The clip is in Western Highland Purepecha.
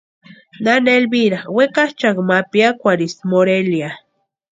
Nana Elvira wekachʼakwa ma piakwarhisti Morelia.